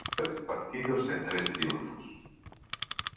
Tres partidos e tres triunfos.